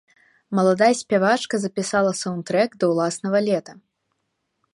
Маладая спявачка запісала саўндтрэк да ўласнага лета.